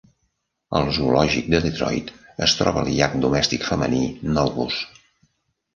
Al zoològic de Detroit es troba el yak domèstic femení, Novus.